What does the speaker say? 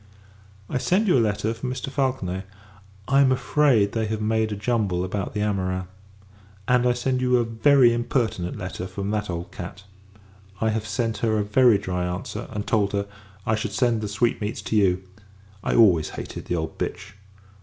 I send you a letter from Mr. Falconet. I am afraid, they have made a jumble about the amorins. And I send you a very impertinent letter from that old cat. I have sent her a very dry answer, and told her, I should send the sweetmeats to you. I always hated the old bitch!